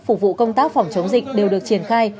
phục vụ công tác phòng chống dịch đều được triển khai